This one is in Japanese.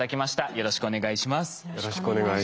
よろしくお願いします。